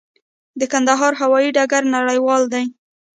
د کندهار هوايي ډګر نړیوال دی؟